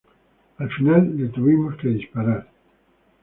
Al final les tuvimos que disparar.